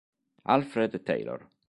Alfred Taylor